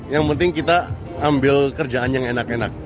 yang penting kita ambil kerjaan yang enak enak